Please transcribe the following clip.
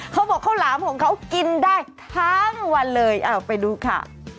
ข้าวหลามของเขากินได้ทั้งวันเลยเอาไปดูค่ะ